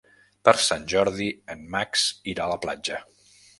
Per Sant Jordi en Max irà a la platja.